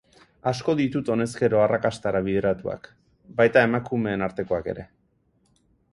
Asko ditut honezkero arrakastara bideratuak, baita emakumeen artekoak ere!